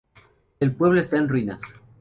El pueblo está en ruinas.